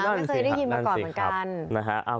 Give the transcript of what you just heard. ก็เคยได้ยินมาก่อนเหมือนกัน